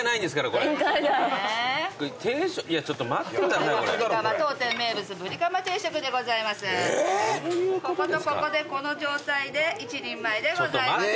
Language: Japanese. こことここでこの状態で一人前でございます。